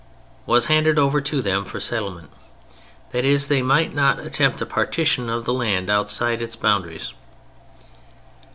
] was handed over to them for settlement, that is, they might not attempt a partition of the land outside its boundaries.